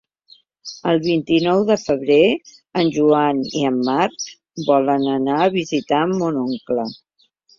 El vint-i-nou de febrer en Joan i en Marc volen anar a visitar mon oncle.